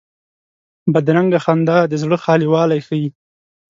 بدرنګه خندا د زړه خالي والی ښيي